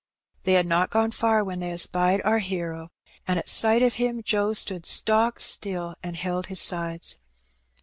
They had not gone far before they espied our hero^ and at sight of him Joe stood stock still and held his sides.